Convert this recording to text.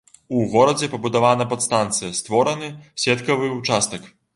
У горадзе пабудавана падстанцыя, створаны сеткавы ўчастак.